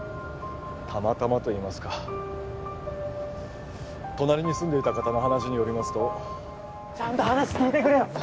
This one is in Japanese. たまたまといいますか隣に住んでいた方の話によりますとちゃんと話聞いてくれよ